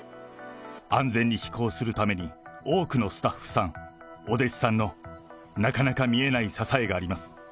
安全に飛行するために多くのスタッフさん、お弟子さんの、なかなか見えない支えがあります。